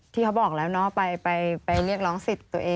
เมื่อไหร่ค่ะเมื่อไหร่ค่ะเมื่อไหร่ค่ะ